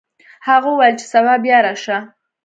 هغه وویل چې سبا بیا راشه.